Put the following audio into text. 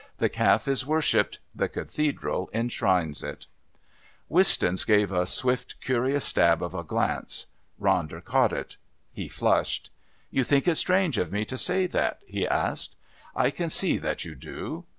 The Calf is worshipped, the Cathedral enshrines it." Wistons gave a swift curious stab of a glance. Ronder caught it; he flushed. "You think it strange of me to say that?" he asked. "I can see that you do.